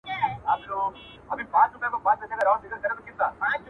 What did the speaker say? ډېر هوښیار وو ډېري ښې لوبي یې کړلې.!